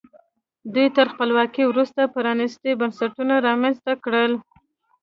دوی تر خپلواکۍ وروسته پرانیستي بنسټونه رامنځته کړل.